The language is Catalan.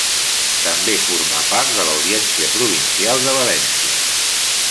També formà part de l'Audiència Provincial de València.